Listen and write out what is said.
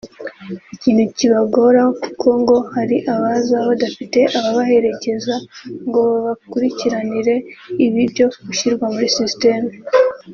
ikintu kibagora kuko ngo hari abaza badafite ababaherekeza ngo babakurikiranire ibi byo gushyirwa muri systeme